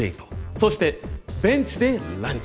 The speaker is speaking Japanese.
そしてベンチでランチ。